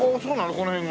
この辺が？